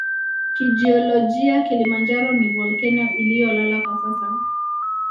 Kijiolojia Kilimanjaro ni volkeno iliyolala kwa sasa